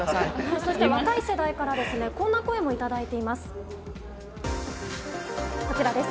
そうした若い世代から、こんな声も頂いています。